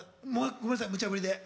ごめんなさいむちゃぶりで。